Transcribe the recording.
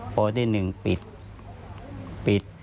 โปรที่๑ปิดปิด